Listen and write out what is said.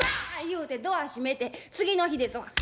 いうてドア閉めて次の日ですわ。